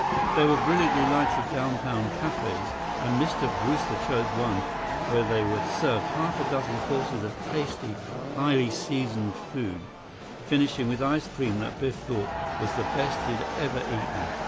There were brilliantly lighted downtown cafés, and Mr. Brewster chose one where they were served half a dozen courses of tasty, highly seasoned food, finishing with ice cream that Biff thought was the best he had ever eaten.